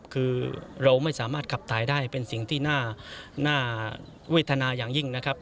คือเราไม่สามารถขับถ่ายได้เป็นสิ่งที่น่าเวทนาอย่างยิ่งนะครับ